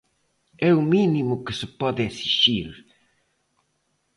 É o mínimo que se pode exixir.